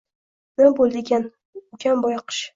Nima bo`ldi ekan, ukam boyoqish